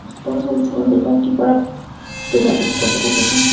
Es el segundo yanqui para pegar dos carreras de casa en un ganador-tomar-todo juego.